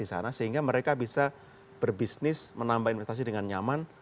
sehingga mereka bisa berbisnis menambah investasi dengan nyaman